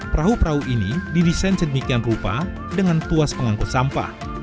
perahu perahu ini didesain sedemikian rupa dengan tuas pengangkut sampah